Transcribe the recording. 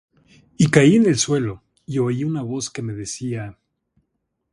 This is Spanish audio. Y caí en el suelo, y oí una voz que me decía: